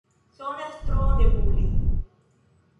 Sonas tro nebule.